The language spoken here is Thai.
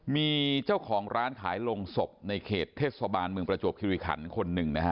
มีเจ้าของร้านขายลงศพในเขตเทศบาลเมืองประจวบคิริขันคนหนึ่งนะฮะ